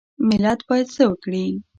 ملت باید څه وکړي؟